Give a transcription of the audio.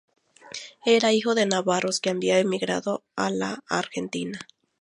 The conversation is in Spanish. Era hijo de navarros que habían emigrado a la Argentina.